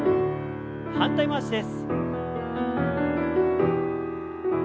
反対回しです。